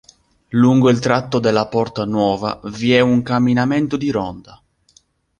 Lungo il tratto della Porta Nuova vi è un camminamento di ronda.